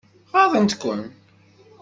Ɣaḍent-kem?